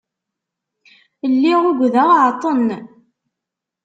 Lliɣ ugdeɣ εṭen.